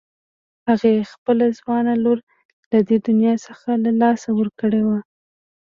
هغې خپله ځوانه لور له دې دنيا څخه له لاسه ورکړې وه.